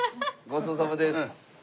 ごちそうさまです。